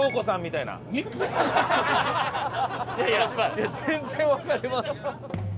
いや全然わかります。